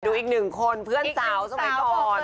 อีกหนึ่งคนเพื่อนสาวสมัยก่อน